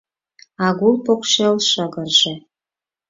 Агул покшел шыгырже